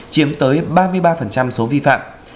chiếm tới ba mươi ba số vi phạm